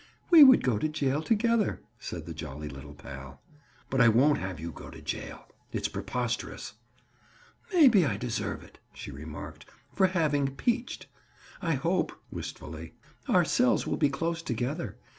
"We would go to jail together," said jolly little pal. "But I won't have you go to jail. It's preposterous." "Maybe I deserve it," she remarked, "for having 'peached.' I hope," wistfully, "our cells will be close together.